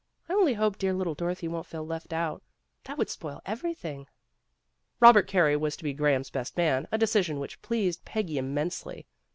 I only hope dear little Dorothy won't feel left out. That would spoil everything. '' Robert Carey was to be Graham's best man, a decision which pleased Peggy immensely.